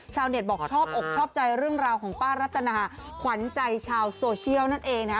เน็ตบอกชอบอกชอบใจเรื่องราวของป้ารัตนาขวัญใจชาวโซเชียลนั่นเองนะฮะ